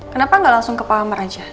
kenapa gak langsung ke paham aja